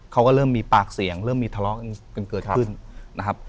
เขาก็เริ่มมีปากเสียงเริ่มมีทะเลาะกันเกิดขึ้นนะครับ